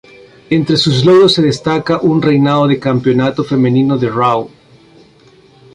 Entre sus logros se destaca un reinado de campeonato femenino de Raw.